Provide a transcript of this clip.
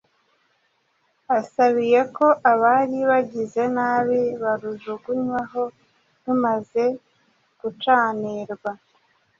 asabiye ko abari bagize nabi barujugunywa ho rumaze gucanirwa.